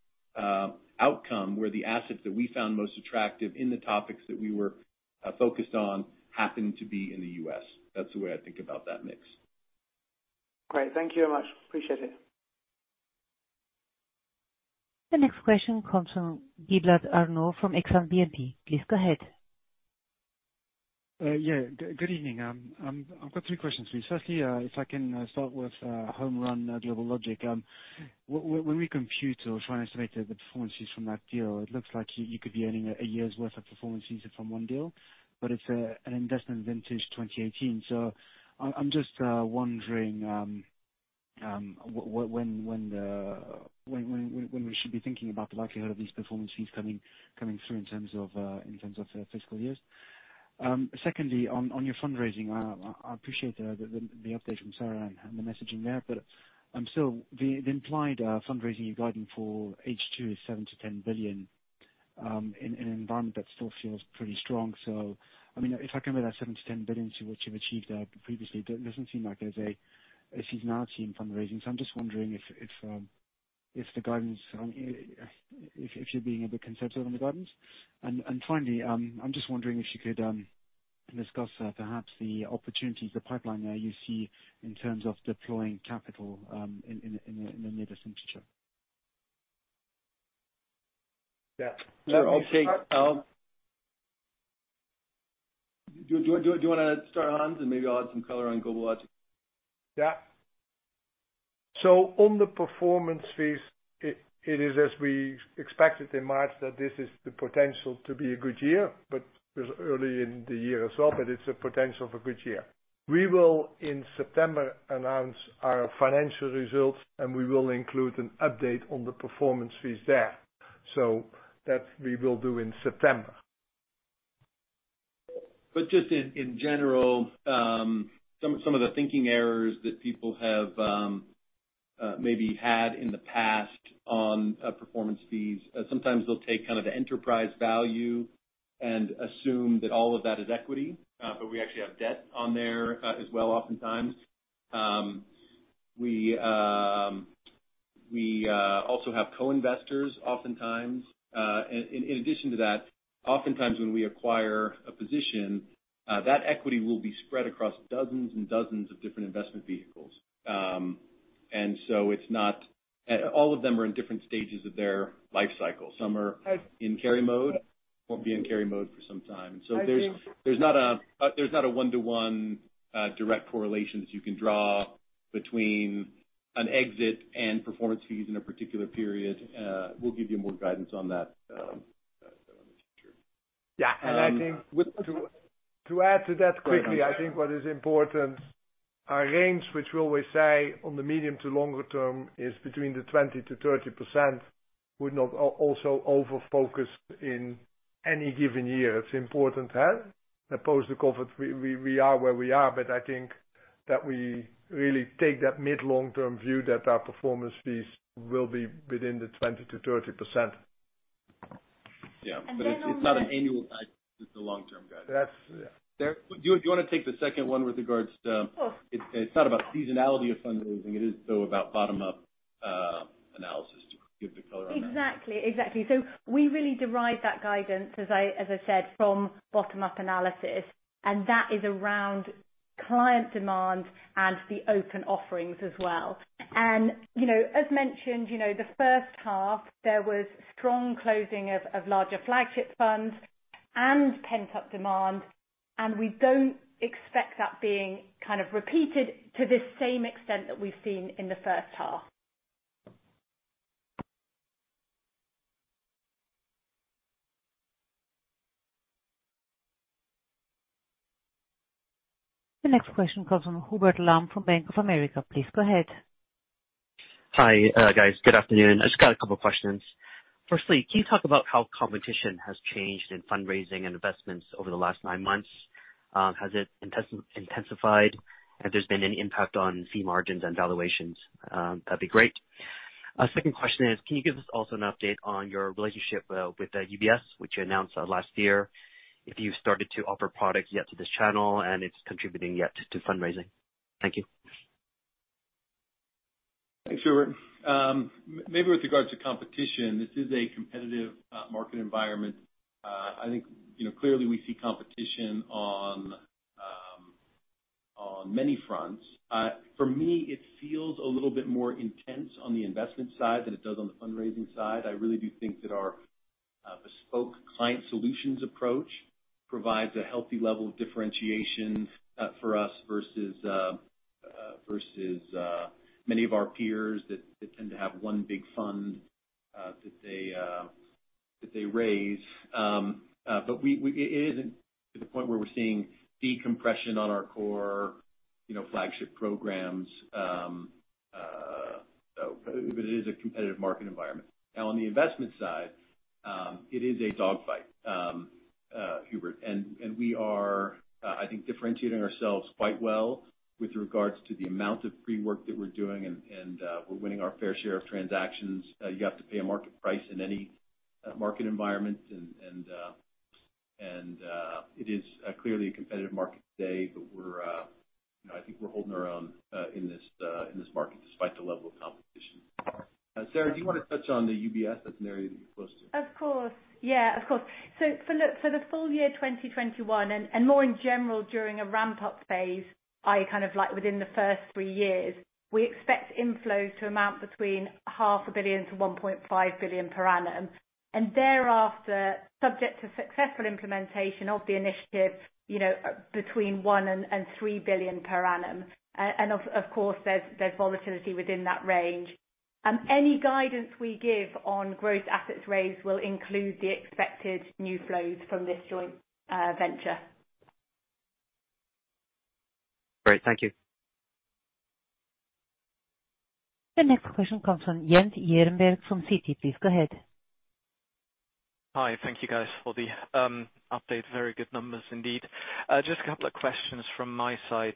outcome where the assets that we found most attractive in the topics that we were focused on happened to be in the U.S. That's the way I think about that mix. Great. Thank you very much. Appreciate it. The next question comes from Arnaud Giblat from Exane BNP. Please go ahead. Yeah, good evening. I've got three questions for you. Firstly, if I can start with GlobalLogic. When we compute or try and estimate the performances from that deal, it looks like you could be earning a year's worth of performance fees from one deal, but it's an investment vintage 2018. I'm just wondering when we should be thinking about the likelihood of these performance fees coming through in terms of fiscal years. Secondly, on your fundraising, I appreciate the update from Sarah and the messaging there, but the implied fundraising you're guiding for H2 is $7 billion-$10 billion, in an environment that still feels pretty strong. If I compare that $7 billion-$10 billion to what you've achieved previously, it doesn't seem like there's a seasonality in fundraising. I'm just wondering if you're being a bit conservative on the guidance. Finally, I'm just wondering if you could discuss perhaps the opportunities, the pipeline there you see in terms of deploying capital in the near to short term. Yeah. Sure. Do you want to start, Hans, and maybe I'll add some color on GlobalLogic? Yeah. On the performance fees, it is as we expected in March that this is the potential to be a good year, but it was early in the year as well, but it's a potential of a good year. We will, in September, announce our financial results, and we will include an update on the performance fees there. That we will do in September. Just in general, some of the thinking errors that people have maybe had in the past on performance fees, sometimes they'll take kind of the enterprise value and assume that all of that is equity. We actually have debt on there as well oftentimes. We also have co-investors oftentimes. In addition to that, oftentimes when we acquire a position, that equity will be spread across dozens and dozens of different investment vehicles. All of them are in different stages of their life cycle. Some are in carry mode, won't be in carry mode for some time. There's not a one-to-one direct correlation that you can draw between an exit and performance fees in a particular period. We'll give you more guidance on that in the future. Yeah. I think to add to that quickly, I think what is important, our range, which we always say on the medium to longer term, is between the 20%-30% would not also overfocus in any given year. It's important. Post-COVID, we are where we are, I think that we really take that mid-long-term view that our performance fees will be within the 20%-30%. Yeah. It's not an annual guide, it's a long-term guide. That's, yeah. Do you want to take the second one with regards to- Of course. It's not about seasonality of fundraising, it is though about bottom-up analysis to give the color on that. Exactly. We really derive that guidance, as I said, from bottom-up analysis, and that is around client demand and the open offerings as well. As mentioned, the first half there was strong closing of larger flagship funds and pent-up demand, and we don't expect that being repeated to the same extent that we've seen in the first half. The next question comes from Hubert Lam from Bank of America. Please go ahead. Hi, guys. Good afternoon. I just got a couple of questions. Firstly, can you talk about how competition has changed in fundraising and investments over the last nine months? Has it intensified? If there's been any impact on fee margins and valuations, that'd be great. Second question is, can you give us also an update on your relationship with UBS, which you announced last year, if you started to offer products yet to this channel, and it's contributing yet to fundraising? Thank you. Thanks, Hubert. Maybe with regards to competition, this is a competitive market environment. I think clearly we see competition on many fronts. For me, it feels a little bit more intense on the investment side than it does on the fundraising side. I really do think that our bespoke client solutions approach provides a healthy level of differentiation for us versus many of our peers that tend to have one big fund that they raise. It isn't to the point where we're seeing decompression on our core flagship programs. It is a competitive market environment. Now, on the investment side, it is a dog fight, Hubert. We are, I think, differentiating ourselves quite well with regards to the amount of pre-work that we're doing and we're winning our fair share of transactions. You have to pay a market price in any market environment. It is clearly a competitive market today. I think we're holding our own in this market despite the level of competition. Sarah, do you want to touch on the UBS? That's an area that you're close to. Of course. Yeah, of course. For the full-year 2021 and more in general during a ramp-up phase, like within the first three years, we expect inflows to amount between half a billion to 1.5 billion per annum. Thereafter, subject to successful implementation of the initiative, between 1 billion and 3 billion per annum. Of course, there's volatility within that range. Any guidance we give on growth assets raised will include the expected new flows from this joint venture. Great. Thank you. The next question comes from Jens Jernberg from Citi. Please go ahead. Hi. Thank you guys for the update. Very good numbers indeed. Just a couple of questions from my side.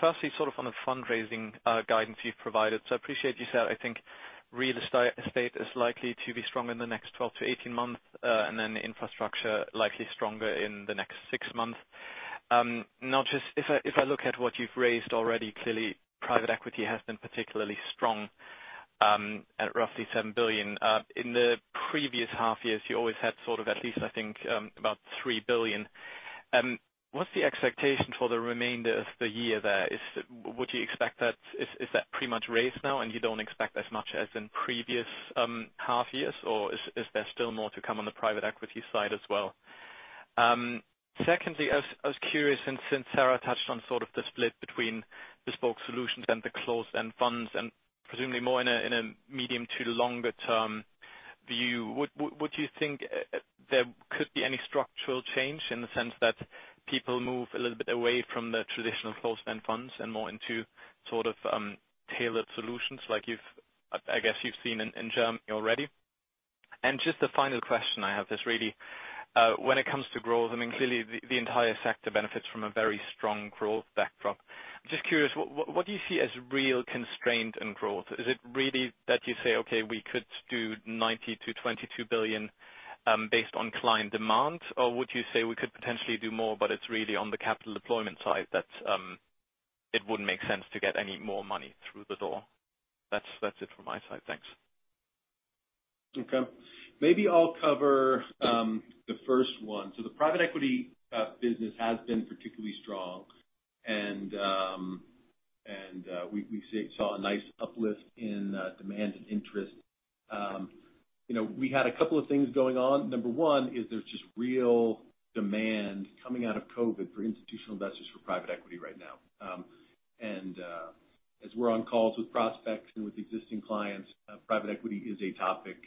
Firstly, sort of on the fundraising guidance you've provided. I appreciate you said, I think real estate is likely to be strong in the next 12 months-18 months, and then infrastructure likely stronger in the next six months. Now, if I look at what you've raised already, clearly private equity has been particularly strong at roughly $7 billion. In the previous half-years, you always had sort of at least, I think, about $3 billion. What's the expectation for the remainder of the year there? Would you expect that, is that pretty much raised now and you don't expect as much as in previous half-years, or is there still more to come on the private equity side as well? Secondly, I was curious since Sarah touched on sort of the split between bespoke solutions and the closed-end funds and presumably more in a medium to longer term view, would you think there could be any structural change in the sense that people move a little bit away from the traditional closed-end funds and more into sort of tailored solutions like I guess you've seen in Germany already? Just the final question I have is really, when it comes to growth, I mean, clearly the entire sector benefits from a very strong growth backdrop. Just curious, what do you see as real constraint in growth? Is it really that you say, "Okay, we could do $19 billion-$22 billion based on client demand, or would you say we could potentially do more, but it's really on the capital deployment side that it wouldn't make sense to get any more money through the door? That's it from my side. Thanks. Okay. Maybe I'll cover the first one. The private equity business has been particularly strong, and we saw a nice uplift in demand and interest. We had a couple of things going on. Number one is there's just real demand coming out of COVID for institutional investors for private equity right now. As we're on calls with prospects and with existing clients, private equity is a topic.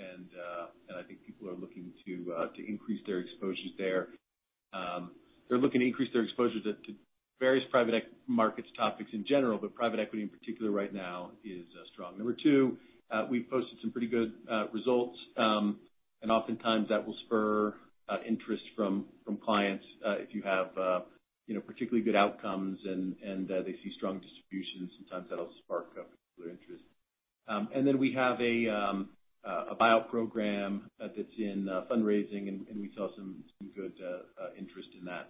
I think people are looking to increase their exposures there. They're looking to increase their exposure to various private markets topics in general, but private equity in particular right now is strong. Number two, we've posted some pretty good results, and oftentimes that will spur interest from clients if you have particularly good outcomes and they see strong distributions. Sometimes that'll spark a particular interest. We have a buyout program that's in fundraising, and we saw some good interest in that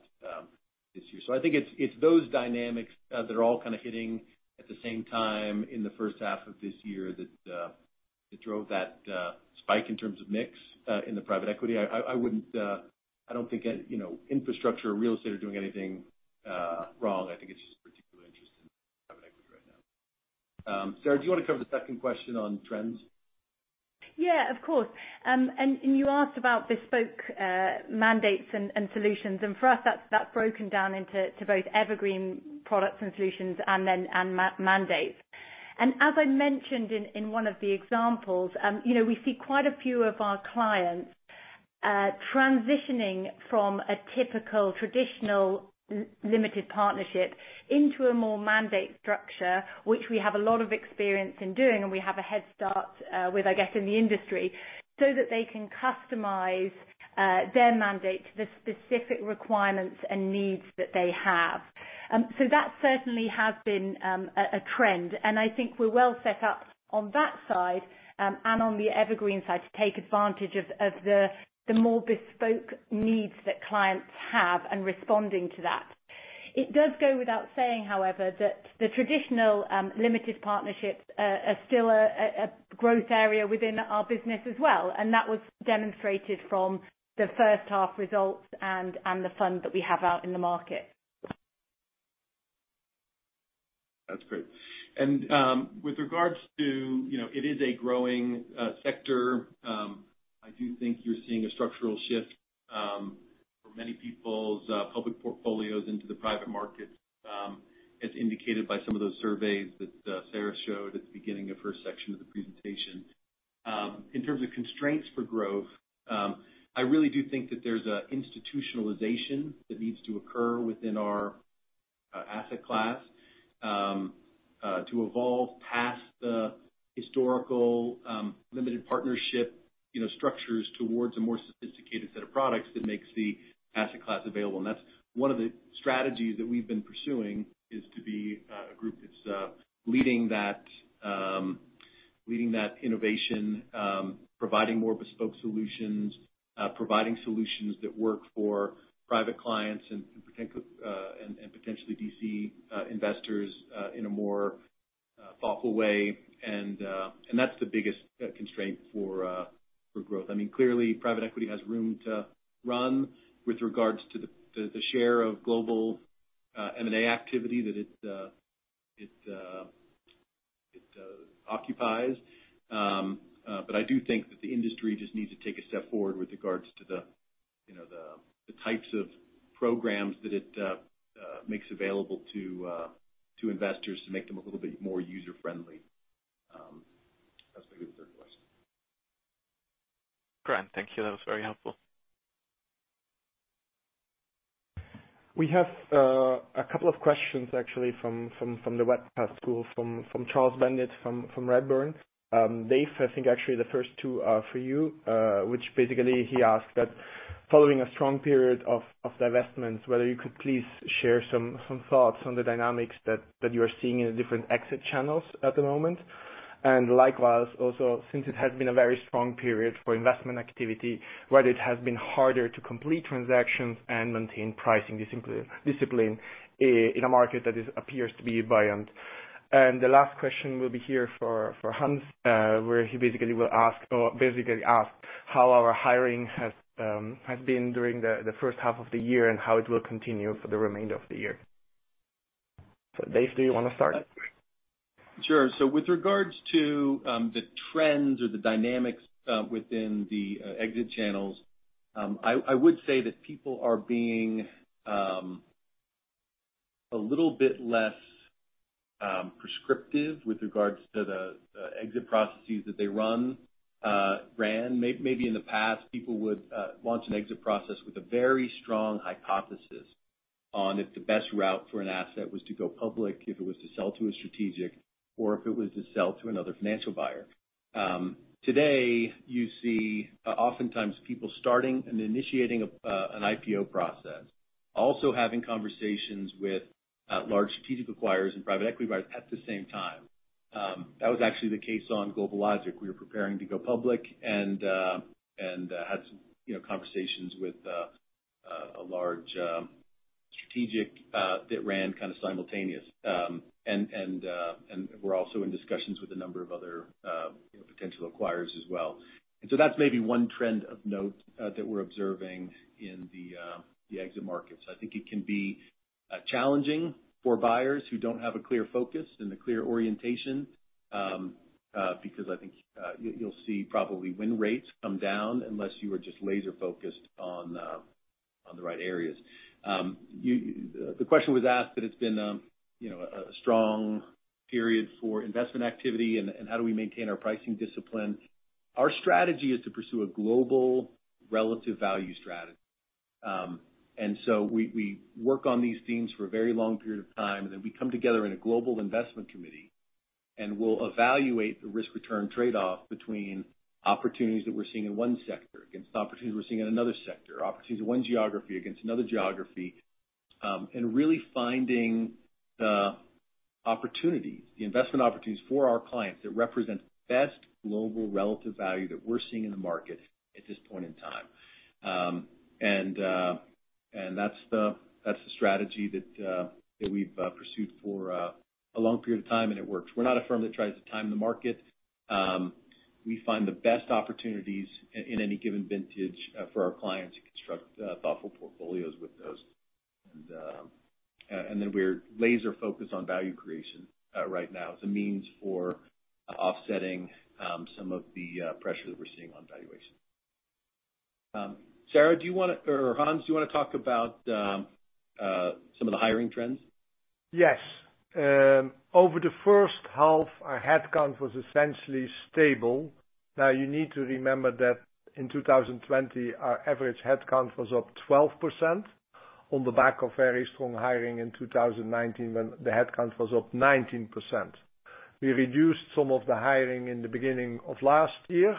this year. I think it's those dynamics that are all hitting at the same time in the first half of this year that drove that spike in terms of mix in the private equity. I don't think infrastructure or real estate are doing anything wrong. I think it's just particular interest in private equity right now. Sarah, do you want to cover the second question on trends? Yeah, of course. You asked about bespoke mandates and solutions. For us, that's broken down into both evergreen products and solutions and mandates. As I mentioned in one of the examples, we see quite a few of our clients transitioning from a typical traditional limited partnership into a more mandate structure, which we have a lot of experience in doing, and we have a head start with, I guess, in the industry, so that they can customize their mandate to the specific requirements and needs that they have. That certainly has been a trend, and I think we're well set up on that side and on the evergreen side to take advantage of the more bespoke needs that clients have and responding to that. It does go without saying, however, that the traditional limited partnerships are still a growth area within our business as well, and that was demonstrated from the first half results and the fund that we have out in the market. That's great. With regards to it is a growing sector, I do think you're seeing a structural shift for many people's public portfolios into the private markets, as indicated by some of those surveys that Sarah showed at the beginning of her section of the presentation. In terms of constraints for growth, I really do think that there's an institutionalization that needs to occur within our asset class to evolve past the historical limited partnership structures towards a more sophisticated set of products that makes the asset class available. That's one of the strategies that we've been pursuing is to be a group that's leading that innovation, providing more bespoke solutions, providing solutions that work for private clients and potentially VC investors in a more thoughtful way. That's the biggest constraint for growth. Clearly private equity has room to run with regards to the share of global M&A activity that it occupies. I do think that the industry just needs to take a step forward with regards to the types of programs that it makes available to investors to make them a little bit more user-friendly. That's maybe the third question. Great. Thank you. That was very helpful. We have a couple of questions actually from the webcast call from Charles Bendit from Redburn. Dave, I think actually the first two are for you, which basically he asked that following a strong period of divestments, whether you could please share some thoughts on the dynamics that you are seeing in the different exit channels at the moment. Likewise, also, since it has been a very strong period for investment activity, whether it has been harder to complete transactions and maintain pricing discipline in a market that appears to be buoyant. The last question will be here for Hans, where he basically asks how our hiring has been during the first half of the year and how it will continue for the remainder of the year. Dave, do you want to start? Sure. With regards to the trends or the dynamics within the exit channels, I would say that people are being a little bit less prescriptive with regards to the exit processes that they ran. Maybe in the past, people would launch an exit process with a very strong hypothesis on if the best route for an asset was to go public, if it was to sell to a strategic, or if it was to sell to another financial buyer. Today, you see oftentimes people starting and initiating an IPO process, also having conversations with large strategic acquirers and private equity buyers at the same time. That was actually the case on GlobalLogic. We were preparing to go public and had some conversations with a large strategic that ran simultaneous. We're also in discussions with a number of other potential acquirers as well. That's maybe one trend of note that we're observing in the exit markets. I think it can be challenging for buyers who don't have a clear focus and a clear orientation, because I think you'll see probably win rates come down unless you are just laser focused on the right areas. The question was asked that it's been a strong period for investment activity and how do we maintain our pricing discipline. Our strategy is to pursue a global relative value strategy. We work on these themes for a very long period of time, and then we come together in a global investment committee, and we'll evaluate the risk-return trade-off between opportunities that we're seeing in one sector against opportunities we're seeing in another sector, opportunities in one geography against another geography. Really finding the opportunities, the investment opportunities for our clients that represent the best global relative value that we're seeing in the market at this point in time. That's the strategy that we've pursued for a long period of time, and it works. We're not a firm that tries to time the market. We find the best opportunities in any given vintage for our clients to construct thoughtful portfolios with those. Then we're laser focused on value creation right now as a means for offsetting some of the pressure that we're seeing on valuation. Hans, do you want to talk about some of the hiring trends? Yes. Over the first half, our headcount was essentially stable. Now, you need to remember that in 2020, our average headcount was up 12% on the back of very strong hiring in 2019, when the headcount was up 19%. We reduced some of the hiring in the beginning of last year.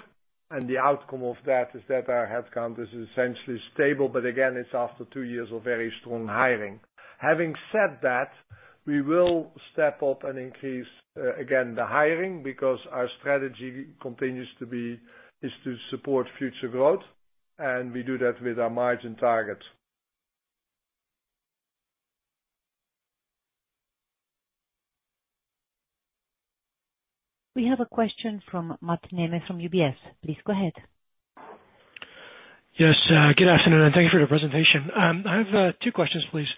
The outcome of that is that our headcount is essentially stable. Again, it's after two years of very strong hiring. Having said that, we will step up and increase again the hiring, because our strategy continues to be, is to support future growth, and we do that with our margin targets. We have a question from Matthew Mish from UBS. Please go ahead. Yes. Good afternoon. Thank you for your presentation. I have two questions, please.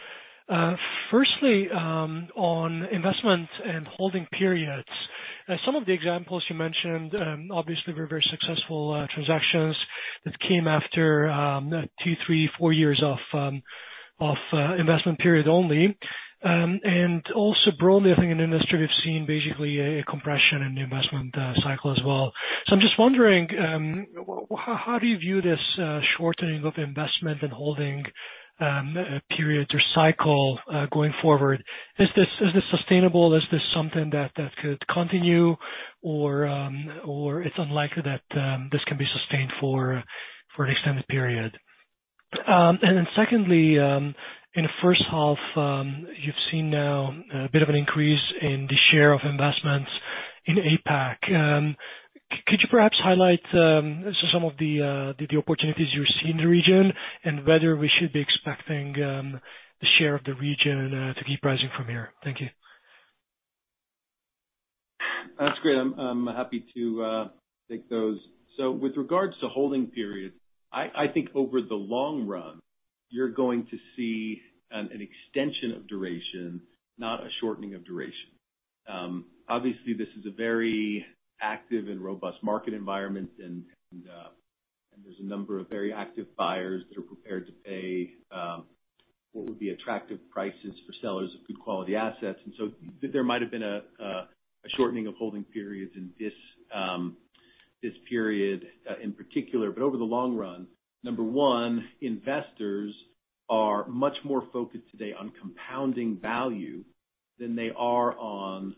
Firstly, on investment and holding periods. Some of the examples you mentioned, obviously, were very successful transactions that came after two, three, four years of investment period only. Also broadly, I think in the industry, we've seen basically a compression in the investment cycle as well. I'm just wondering, how do you view this shortening of investment and holding periods or cycle going forward? Is this sustainable? Is this something that could continue or it's unlikely that this can be sustained for an extended period? Secondly, in the first half, you've seen now a bit of an increase in the share of investments in APAC. Could you perhaps highlight some of the opportunities you see in the region and whether we should be expecting the share of the region to keep rising from here? Thank you. That's great. I'm happy to take those. With regards to holding period, I think over the long run, you're going to see an extension of duration, not a shortening of duration. Obviously, this is a very active and robust market environment, and there's a number of very active buyers that are prepared to pay what would be attractive prices for sellers of good quality assets. There might have been a shortening of holding periods in this period in particular. Over the long run, number one, investors are much more focused today on compounding value than they are on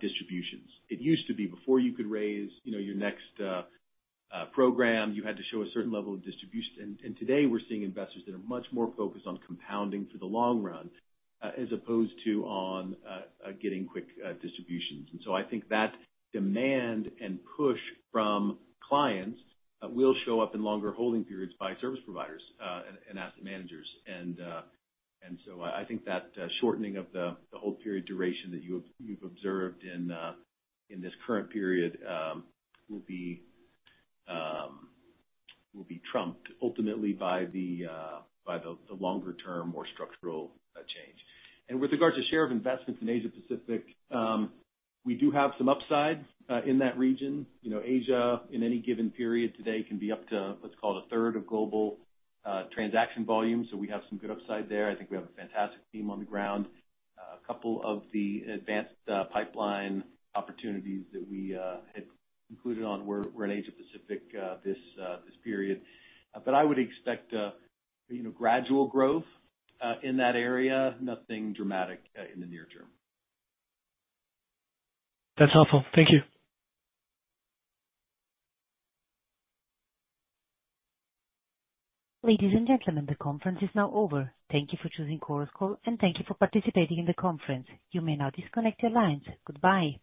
distributions. It used to be before you could raise your next program, you had to show a certain level of distribution. Today, we're seeing investors that are much more focused on compounding for the long run as opposed to on getting quick distributions. I think that demand and push from clients will show up in longer holding periods by service providers and asset managers. I think that shortening of the hold period duration that you've observed in this current period will be trumped ultimately by the longer term, more structural change. With regards to share of investments in Asia Pacific, we do have some upside in that region. Asia, in any given period today can be up to what's called 1/3 of global transaction volume. We have some good upside there. I think we have a fantastic team on the ground. A couple of the advanced pipeline opportunities that we had concluded on were in Asia Pacific this period. I would expect gradual growth in that area, nothing dramatic in the near term. That's helpful. Thank you. Ladies and gentlemen, the conference is now over. Thank you for choosing Chorus Call, and thank you for participating in the conference. You may now disconnect your lines. Goodbye.